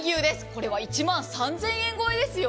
これは１万３０００円超えですよ。